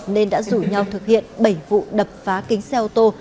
nên đã rủ nhau thực hiện bảy vụ đập phá kính xe ô tô